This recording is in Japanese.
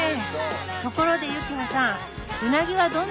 ところで幸歩さん